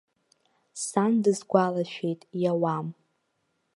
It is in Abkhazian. Сан дысгәалашәеит, иауам.